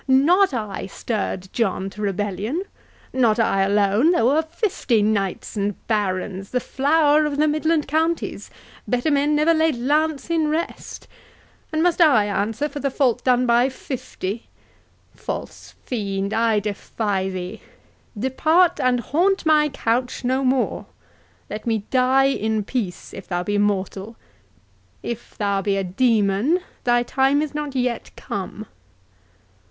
—Not I stirred John to rebellion—not I alone—there were fifty knights and barons, the flower of the midland counties—better men never laid lance in rest—And must I answer for the fault done by fifty?—False fiend, I defy thee! Depart, and haunt my couch no more—let me die in peace if thou be mortal—if thou be a demon, thy time is not yet come."